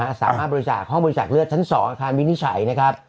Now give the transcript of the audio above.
นะฮะสามารถบริษัทห้องบริษัทเลือดชั้น๒อาทารณมินิสัยนะครับ